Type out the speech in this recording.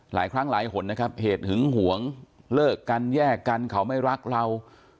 หลายครั้งหลายหนนะครับเหตุหึงหวงเลิกกันแยกกันเขาไม่รักเรา